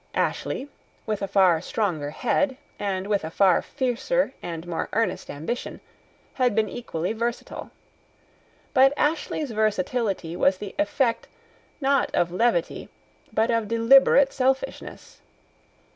Ashley, with a far stronger head, and with a far fiercer and more earnest ambition, had been equally versatile. But Ashley's versatility was the effect, not of levity, but of deliberate selfishness.